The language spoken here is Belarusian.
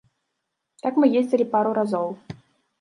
Так мы ездзілі пару разоў.